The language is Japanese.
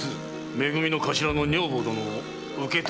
め組の頭の女房殿を受け取りに来た。